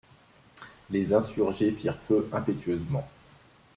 Les insurgés firent feu impétueusement.